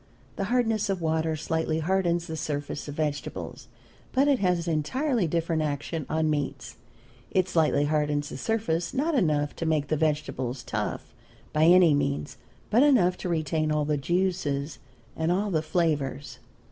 The hardness of water slightly hardens the surface of vegetables, but it has an entirely different action on meats. It slightly hardens the surface not enough to make the vegetable tough, by any means, but enough to retain all the juices and all the flavors.